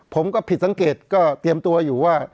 ผมก็ผิดสังเกตก็เตรียมตัวอยู่ว่า